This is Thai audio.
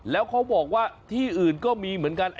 แล้วเขาบอกว่าที่อื่นก็มีเหมือนกัน